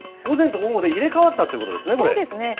午前と午後で入れ代わったってことですね？